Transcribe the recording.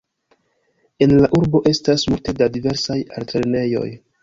En la urbo estas multe da diversaj altlernejoj.